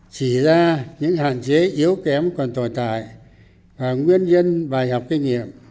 chỉ ra những hạn chế yếu kém còn tồi tải và nguyên nhân bài học kinh nghiệm